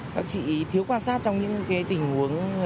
các chị thiếu quan sát trong những tình huống